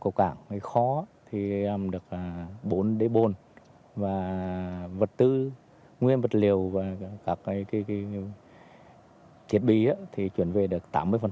cầu cảng thì khó thì được bốn đế bôn và vật tư nguyên vật liều và các thiết bị thì chuyển về được tám mươi